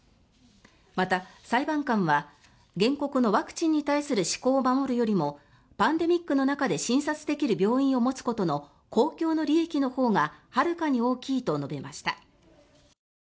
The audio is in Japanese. また、裁判官は原告のワクチンに対する嗜好を守るよりもパンデミックの中で診察できる病院を持つことの公共の利益のほうがはるかに大きいと述べました。